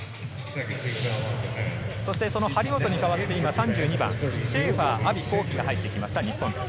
そしてその張本に代わって今、３２番シェーファー・アヴィ幸樹が入ってきました。